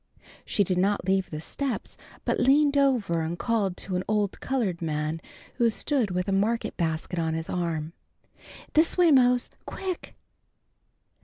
She did not leave the steps, but leaned over and called to an old colored man who stood with a market basket on his arm. "This way, Mose. Quick!"